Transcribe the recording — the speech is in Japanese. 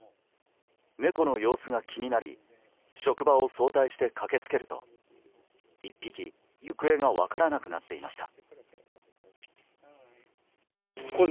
猫の様子が気になり職場を早退して駆けつけると１匹、行方が分からなくなっていました。